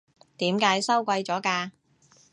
點解收貴咗㗎？